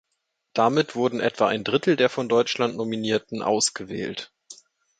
Damit wurden etwa ein Drittel der von Deutschland Nominierten ausgewählt.